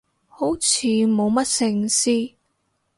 好似冇乜聖詩